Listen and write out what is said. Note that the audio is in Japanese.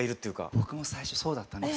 僕も最初そうだったんですよ。